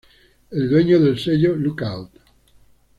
El dueño del sello Lookout!